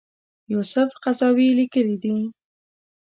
یوسف قرضاوي لیکلي دي.